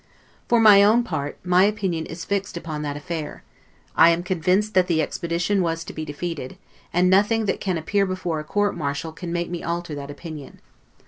For my own part, my opinion is fixed upon that affair: I am convinced that the expedition was to be defeated; and nothing that can appear before a court martial can make me alter that opinion.